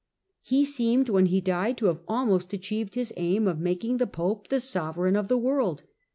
He seemed when he died to have almost achieved his aim of making the Pope the sovereign of the world.